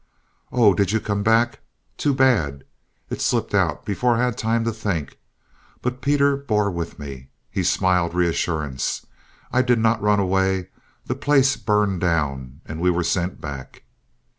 "Oh! did you come back? Too bad!" It slipped out before I had time to think. But Peter bore with me. He smiled reassurance. "I did not run away. The place burned down; we were sent back."